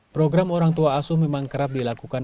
program orang tua asuh memang kerap dilakukan